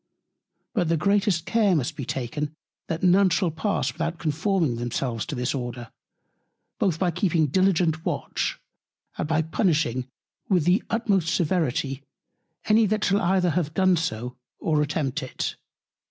But the greatest Care must be taken, that none pass without conforming themselves to this Order, both by keeping diligent Watch, and by punishing with the utmost Severity, any that shall either have done so, or attempt it.